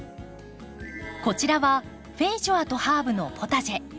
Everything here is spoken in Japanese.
こちらはフェイジョアとハーブのポタジェ。